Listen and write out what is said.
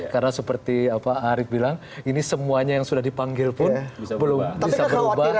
karena seperti arief bilang ini semuanya yang sudah dipanggil pun belum bisa berubah